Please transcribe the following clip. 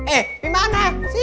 eh dimana sini